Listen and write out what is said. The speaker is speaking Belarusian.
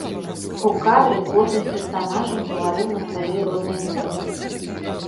У кадры кожны з персанажаў гаварыў на сваёй роднай мове.